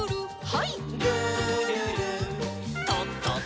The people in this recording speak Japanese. はい。